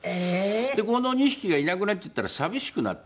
この２匹がいなくなっちゃったら寂しくなってですね